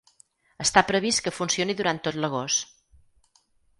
Està previst que funcioni durant tot l’agost.